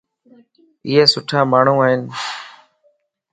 ايي سٺا ماڻھو ائين.